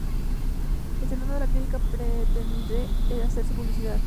Gestionando la clínica pretenden hacerse publicidad.